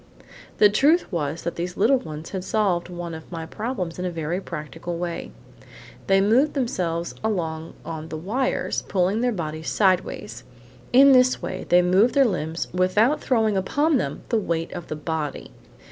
The truth was that these little ones had solved one of my problems in a very practical way. They moved themselves along on the wires, pulling their bodies sideways. In this way, they moved their limbs without throwing upon them the weight of the body.